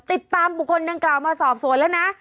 ติดตามปุ๊กค้นเนลานกรามมาสอบส่วนแล้วนะ